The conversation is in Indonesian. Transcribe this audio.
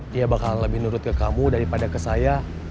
dia bakal lebih nurut ke kamu daripada ke saya